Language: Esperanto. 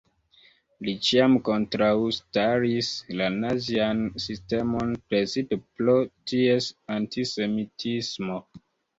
Li ĉiam kontraŭstaris la nazian sistemon, precipe pro ties antisemitismo.